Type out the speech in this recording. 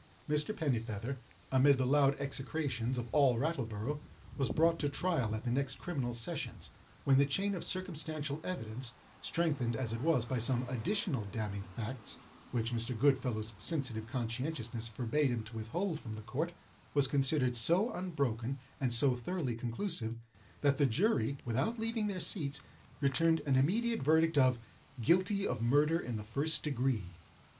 Mr. Pennifeather, amid the loud execrations of all Rattleborough, was brought to trial at the next criminal sessions, when the chain of circumstantial evidence (strengthened as it was by some additional damning facts, which Mr. Goodfellow's sensitive conscientiousness forbade him to withhold from the court) was considered so unbroken and so thoroughly conclusive, that the jury, without leaving their seats, returned an immediate verdict of "Guilty of murder in the first degree."